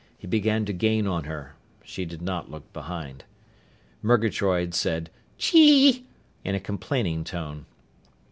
He began to gain on her. She did not look behind. Murgatroyd said "Chee!" in a complaining tone.